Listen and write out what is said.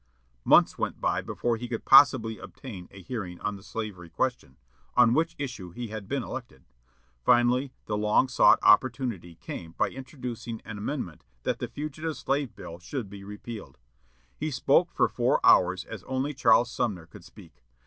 Months went by before he could possibly obtain a hearing on the slavery question, on which issue he had been elected. Finally, the long sought opportunity came by introducing an amendment that the Fugitive Slave Bill should be repealed. He spoke for four hours as only Charles Sumner could speak.